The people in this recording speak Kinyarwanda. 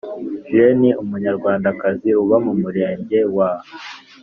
Jeanne Umunyarwandakazi uba mu Murenge wa